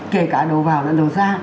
kể cả đồ vào đồ ra